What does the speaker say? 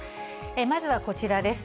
まずはこちらです。